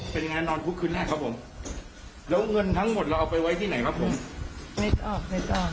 เป็นยังไงนอนพุกคืนแหละครับผมแล้วเงินทั้งหมดเราเอาไปไว้ที่ไหนครับผม